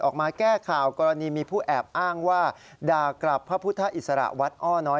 ออกมาแก้ข่าวกรณีมีผู้แอบอ้างว่าด่ากลับพระพุทธอิสระวัดอ้อน้อย